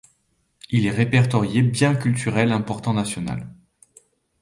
Il est répertorié bien culturel important national.